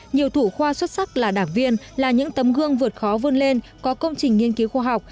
nhiều thủ khoa xuất sắc là đảng viên là những tấm gương vượt khó vươn lên có công trình nghiên cứu khoa học